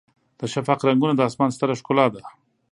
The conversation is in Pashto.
د شفق رنګونه د اسمان ستره ښکلا ده.